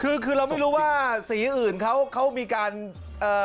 คือคือเราไม่รู้ว่าสีอื่นเขาเขามีการเอ่อ